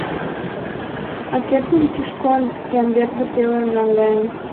А кердым Кишкон Ямберде пелен наҥгаен.